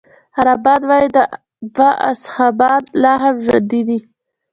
عربان وايي دوه اصحابان لا هم ژوندي دي.